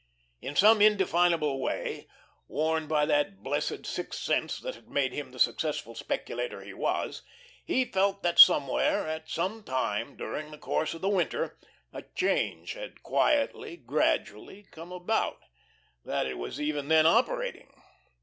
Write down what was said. In some indefinable way, warned by that blessed sixth sense that had made him the successful speculator he was, he felt that somewhere, at some time during the course of the winter, a change had quietly, gradually come about, that it was even then operating.